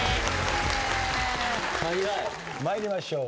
参りましょう。